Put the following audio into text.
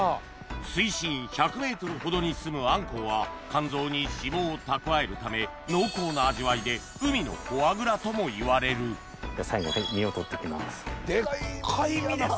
水深１００ｍほどにすむあんこうは肝臓に脂肪を蓄えるため濃厚な味わいでともいわれる最後身を取って行きます。